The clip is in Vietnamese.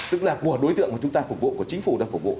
tức là của đối tượng mà chúng ta phục vụ của chính phủ đang phục vụ